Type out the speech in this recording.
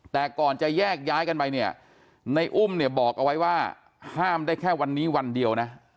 แต่ก่อนจะแยกย้ายกันไปเนี่ยในอุ้มเนี่ยบอกเอาไว้ว่าห้ามได้แค่วันนี้วันเดียวนะ